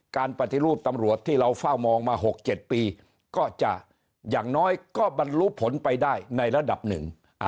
ปฏิรูปตำรวจที่เราเฝ้ามองมา๖๗ปีก็จะอย่างน้อยก็บรรลุผลไปได้ในระดับหนึ่ง